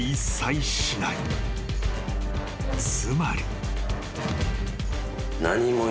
［つまり］